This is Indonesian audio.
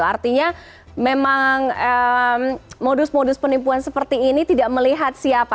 artinya memang modus modus penipuan seperti ini tidak melihat siapa